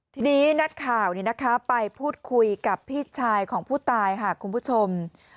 ทีนี้นักข่าวไปพูดคุยกับพี่ชายของผู้ตายค่ะคุณผู้ชม